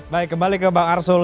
baik kembali ke bang arsul